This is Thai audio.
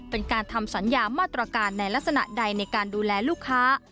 เป็นการทำสัญญามาตรการในลักษณะใดในการดูแลลูกค้า